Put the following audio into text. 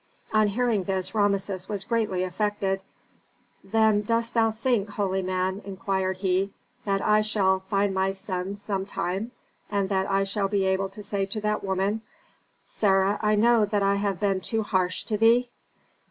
On hearing this Rameses was greatly affected. "Then dost thou think, holy man," inquired he, "that I shall find my son some time, and that I shall be able to say to that woman: 'Sarah, I know that I have been too harsh to thee?'"